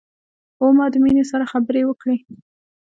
هو ما د مينې سره خبرې وکړې